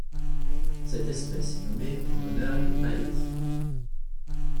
Cette espèce est nommée en l'honneur des Páez.